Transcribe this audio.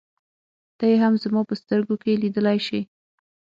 ته يې هم زما په سترګو کې لیدلای شې.